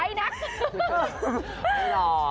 ไม่หลอก